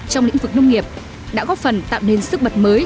trong lĩnh vực nông nghiệp đã góp phần tạo nên sức mật mới